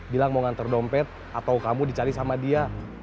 bilang mau ngantar dompet atau kamu dicari sama dia